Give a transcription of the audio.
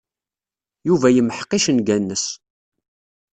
Yuba yemḥeq icenga-nnes.